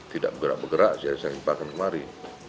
tidak bergerak gerak jadi saya simpakan kemari